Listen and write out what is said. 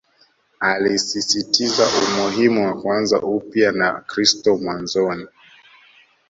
Alisisitiza umuhimu wa kuanza upya na kristo mwanzoni